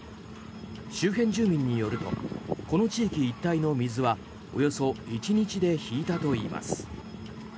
周辺住民によるとこの地域一帯の水はおよそ１日で引いたといいます。